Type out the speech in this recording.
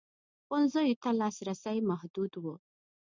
ښوونځیو ته لاسرسی محدود و.